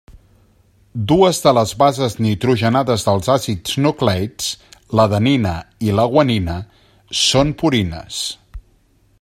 Dues de les bases nitrogenades dels àcids nucleics, l'adenina i la guanina, són purines.